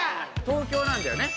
東京なんだよね